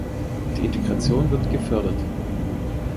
Die Integration wird gefördert.